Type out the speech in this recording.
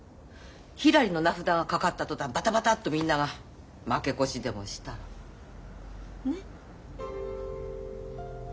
ひらりの名札が掛かった途端バタバタッとみんなが負け越しでもしたら。ね？